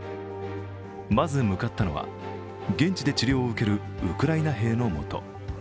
まず向かったのは、現地で治療を受けるウクライナ兵のもと。